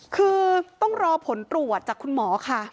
คือต้องรอผลตรวจจากคุณหมอค่ะ